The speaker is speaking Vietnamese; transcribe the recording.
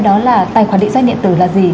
đó là tài khoản định danh điện tử là gì